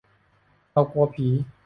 เรากลัวผี !